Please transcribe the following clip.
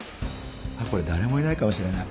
これ誰もいないかもしれない。